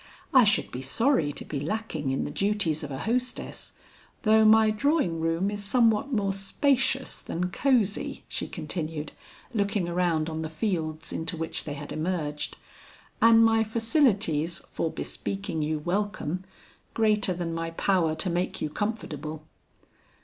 I should be sorry to be lacking in the duties of a hostess, though my drawing room is somewhat more spacious than cosy," she continued, looking around on the fields into which they had emerged, "and my facilities for bespeaking you welcome greater than my power to make you comfortable."